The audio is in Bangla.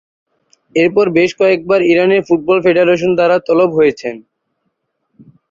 এরপর বেশ কয়েকবার ইরানের ফুটবল ফেডারেশনের দ্বারা তলব হয়েছেন।